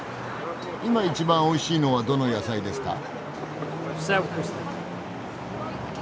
今一番おいしいのはどの野菜ですか？